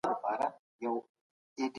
هغه مهال خلګو د رښتينولۍ دفاع کوله.